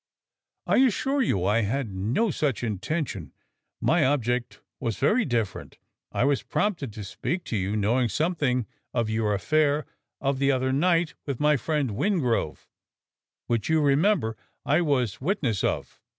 "I assure you I had no such intention: my object was very different. I was prompted to speak to you, knowing something of your affair of the other night with my friend Wingrove which you remember I was witness of.